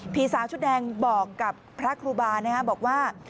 ผีสาวชุดแดงบอกกับพระครูบานะครับบอกว่า